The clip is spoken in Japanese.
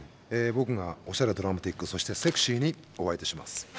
僕がおしゃれドラマティックそしてセクシーにお相手します。